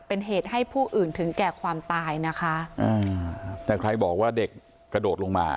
เป็นเหตุให้ผู้อื่นถึงแก่ความตายนะคะอืมแต่ใครบอกว่าเด็กกระโดดลงมา